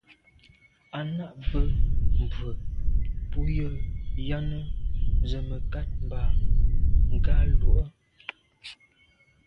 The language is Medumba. À’ nâ’ bə́ mbrə̀ bú gə ́yɑ́nə́ zə̀ mə̀kát mbâ ngɑ̀ lù’ə́.